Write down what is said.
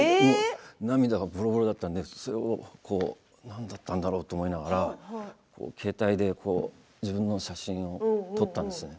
涙がぼろぼろだったので何だったんだろうと思いながら携帯で自分の写真を撮ったんですね。